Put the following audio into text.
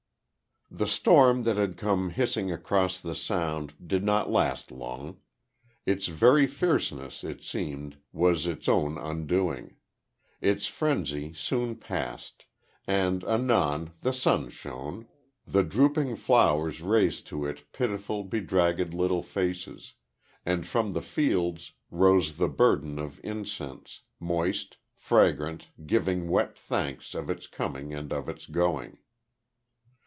The storm that had come hissing across the Sound did not last long. Its very fierceness, it seemed, was its own undoing. Its frenzy soon passed. And anon the sun shone; the drooping flowers raised to it pitiful, bedraggled little faces; and from the fields, rose the burden of incense, moist, fragrant giving wet thanks of its coming and of its going.